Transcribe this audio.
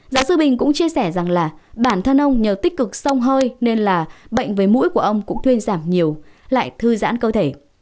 giáo sư bình cũng chia sẻ rằng là bản thân ông nhờ tích cực sông hơi nên là bệnh với mũi của ông cũng thuyên giảm nhiều lại thư giãn cơ thể